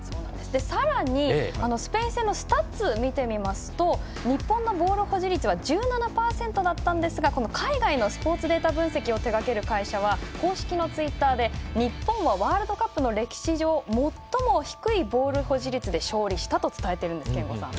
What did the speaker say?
さらにスペイン戦のスタッツを見てみますと日本のボール保持率は１７％だったんですがこの海外のスポーツデータ分析を手がける会社は公式のツイッターで日本はワールドカップの歴史上最も低いボール保持率で勝利したと伝えているんです憲剛さん。